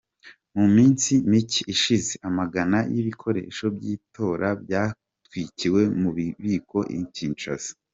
Mu minsi mike ishize amagana y’ibikoresho by’itora byatwikiwe mu bubiko i Kinshasa.